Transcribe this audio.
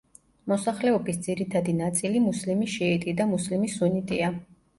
მოსახლეობის ძირითადი ნაწილი მუსლიმი შიიტი და მუსლიმი სუნიტია.